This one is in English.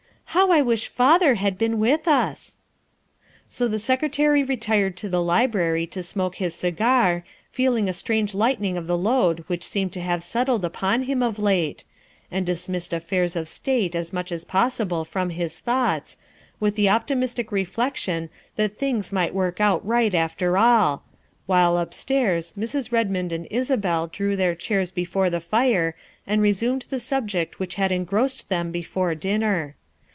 " How I wish father had been with us." So the Secretary retired to the library to smoke his cigar, feeling a strange lightening of the load which seemed to have settled upon him of late, and dismissed 330 THE WIFE OF affairs of state as much as possible from his thoughts, with the optimistic reflection that things might work out right after all, while upstairs Mrs. Redmond and Isabel drew their chairs before the fire and resumed the subject which had engrossed them before dinner.